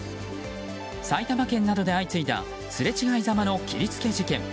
埼玉県などで相次いだすれ違いざまの切りつけ事件。